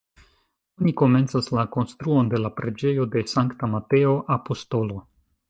Oni komencas la konstruon de la preĝejo de Sankta Mateo Apostolo.